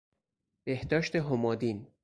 بهداشت همادین